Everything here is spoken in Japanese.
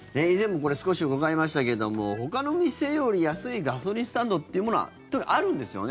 少し伺いましたがほかの店より安いガソリンスタンドというのはあるんですよね。